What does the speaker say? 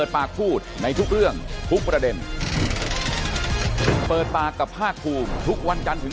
ท่านผู้ชมครับเปิดปากกับภาคภูมินะฮะ